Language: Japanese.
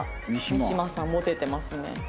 三島さんモテてますね。